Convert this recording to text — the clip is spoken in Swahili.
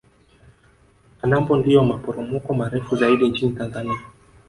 Kalambo ndio maporomoko marefu zaidi nchini tanzania